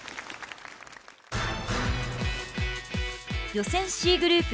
予選Ｃグループ